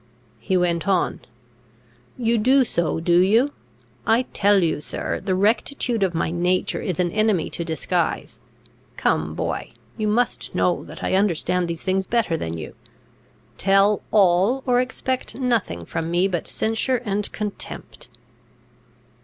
He went on: "You do so; do you? I tell you, sir, the rectitude of my nature is an enemy to disguise. Come, boy, you must know that I understand these things better than you. Tell all, or expect nothing from me but censure and contempt."